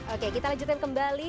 oke kita lanjutkan kembali